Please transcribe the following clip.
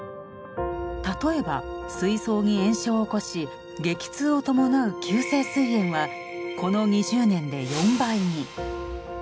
例えばすい臓に炎症を起こし激痛を伴う急性すい炎はこの２０年で４倍に。